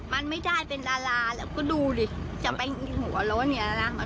มันไม่ได้เป็นดาราแล้วก็ดูดิจะไปหัวเราะเนี่ยนะ